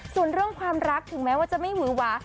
ส่วนเรื่องความรักถึงแม้ว่าจะไม่หวือหวา